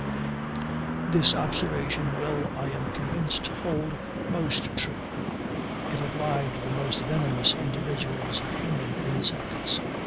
This observation will, I am convinced, hold most true, if applied to the most venomous individuals of human insects.